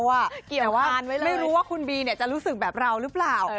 แต่ว่าไม่รู้ว่าคุณบีเนี่ยจะรู้สึกแบบเรารึเปล่า